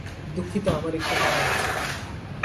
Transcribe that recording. দুঃখিত, আমার একটু তাড়া আছে।